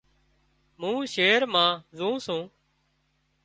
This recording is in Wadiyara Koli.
مُون شهر مان زون سُون